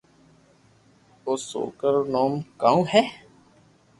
او سوڪرا رو نوم ڪاو ھي